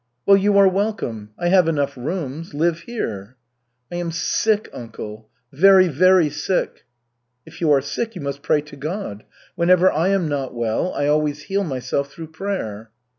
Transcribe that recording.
"Well, you are welcome. I have enough rooms. Live here." "I am sick, uncle, very, very sick." "If you are sick, you must pray to God! Whenever I am not well, I always heal myself through prayer."